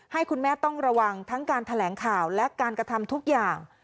ให้คุณแม่ต้องระวังทั้งการแถลงข่าวและการกระทำทุกอย่าง